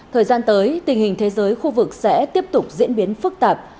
thời gian tới tình hình thế giới khu vực sẽ tiếp tục diễn biến phức tạp